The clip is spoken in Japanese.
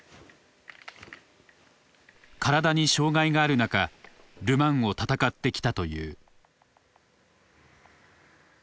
体に障害がある中ル・マンを戦ってきたという。